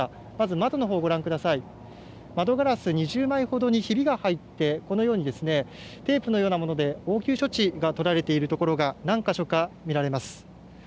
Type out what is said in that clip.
窓ガラス２０枚ほどにひびが入ってこのようにテープのようなもので応急処置が取られているところが何か所か見られます。